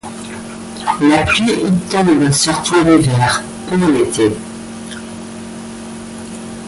La pluie y tombe surtout en hiver, peu en été.